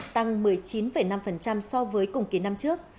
tăng một mươi chín năm so với cùng kỳ năm trước